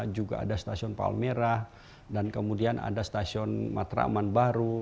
juga ada stasiun palmerah dan kemudian ada stasiun matraman baru